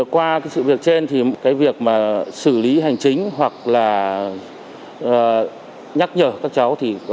qua sự việc trên việc xử lý hành chính hoặc nhắc nhở các cháu